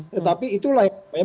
tetapi itulah yang